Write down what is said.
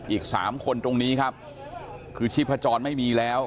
อีกสามคนตรงนี้ครับคือชีพจรไม่มีแล้ว